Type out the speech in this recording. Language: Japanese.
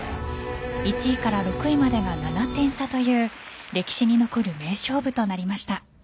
１位から６位までが７点差という歴史に残る名勝負となりました。